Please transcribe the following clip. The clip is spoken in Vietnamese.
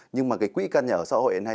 nhưng mà cái quỹ căn nhà ở xã hội hiện nay